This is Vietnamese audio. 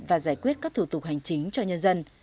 và giải quyết các thủ tục hành chính cho nhân dân